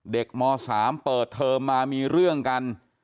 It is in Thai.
ม๓เปิดเทอมมามีเรื่องกัน